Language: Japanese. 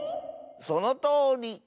そのとおり。